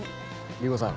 理子さん